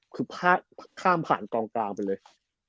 คือข้ามผ่านกองกลางไปเลย